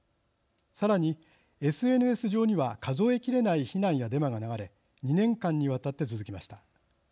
さらにＳＮＳ上には数えきれない非難やデマが流れ２年間にわたって続きました。